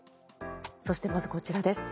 そして、まずこちらです。